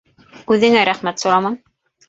- Үҙеңә рәхмәт, Сураман!